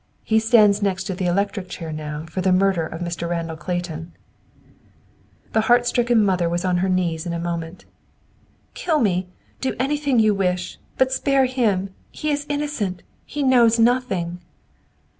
He stands next to the electric chair now, for the murder of Mr. Randall Clayton!" The heart stricken mother was on her knees in a moment. "Kill me! Do anything you wish. But spare him! He is innocent! He knows nothing!"